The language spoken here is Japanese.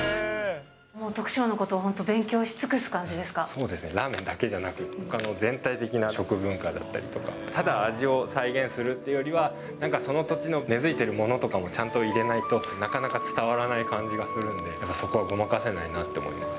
徳島のこと、本当、勉強し尽そうですね、ラーメンだけじゃなく、ほかの全体的な食文化だったりとか、ただ味を再現するっていうよりは、なんかその土地の根づいているものとかもちゃんと入れないと、なかなか伝わらない感じがするんで、そこはごまかせないなと思います。